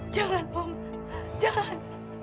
jangan om jangan